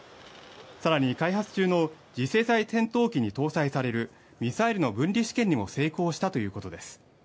更に開発中の次世代戦闘機に搭載されるミサイルの分離試験にも成功したということです。